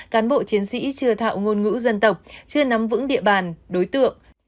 cán bộ chiến sĩ chưa thạo ngôn ngữ dân tộc chưa nắm vững địa bàn đối tượng